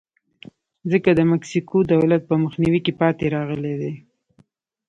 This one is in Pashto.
ځکه د مکسیکو دولت په مخنیوي کې پاتې راغلی دی.